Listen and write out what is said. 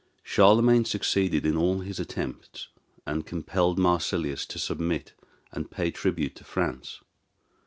Charlemagne succeeded in all his attempts, and compelled Marsilius to submit, and pay tribute to France.